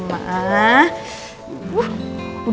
lupa kamu bangun